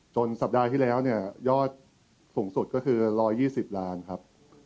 สัปดาห์ที่แล้วเนี่ยยอดสูงสุดก็คือ๑๒๐ล้านครับ